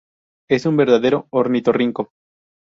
Es un verdadero ornitorrinco".